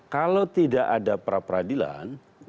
kalau tidak ada pra peradilan